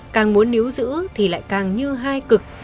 càng muốn níu giữ thì lại càng như hai cực